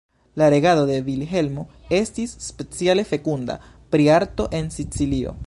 La regado de Vilhelmo estis speciale fekunda pri arto en Sicilio.